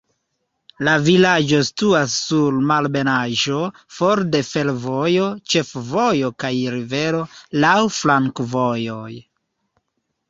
La vilaĝo situas sur malebenaĵo, for de fervojo, ĉefvojo kaj rivero, laŭ flankovojoj.